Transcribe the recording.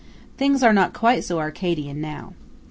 Things are not quite so Arcadian now.